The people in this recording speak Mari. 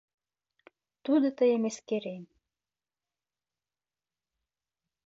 Тудо тыйым эскерен.